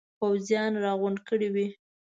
پوځیان را غونډ کړي وي.